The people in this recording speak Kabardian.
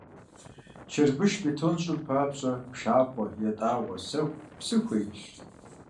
Чырбыш, бетон щӀын папщӀэ пшахъуэ, ятӀагъуэ, сэху, псы хуейщ.